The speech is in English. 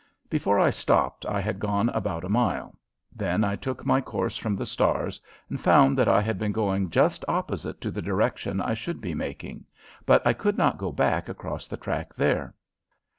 Before I stopped I had gone about a mile. Then I took my course from the stars and found that I had been going just opposite to the direction I should be making, but I could not go back across the track there.